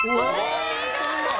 お見事！